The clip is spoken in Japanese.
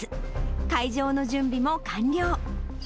会場の準備も完了。